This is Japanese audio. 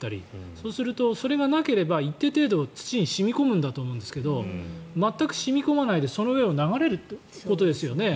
そうすると、それがなければ一定程度土に染み込むんだと思いますけど全く染み込まないでその上を流れるということですよね。